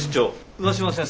上嶋先生